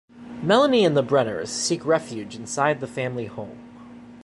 Melanie and the Brenners seek refuge inside the family home.